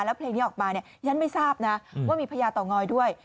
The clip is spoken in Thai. แล้วเพลงนี้ออกมาเนี่ยฉันไม่ทราบนะว่ามีพญาเต่างอยด้วย